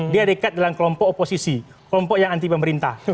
dia dekat dalam kelompok oposisi kelompok yang anti pemerintah